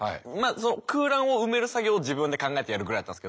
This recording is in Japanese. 空欄を埋める作業を自分で考えてやるぐらいだったんですけど。